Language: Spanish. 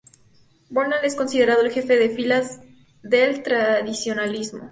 Bonald es considerado el "jefe de filas" del tradicionalismo.